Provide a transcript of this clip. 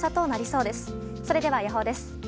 それでは、予報です。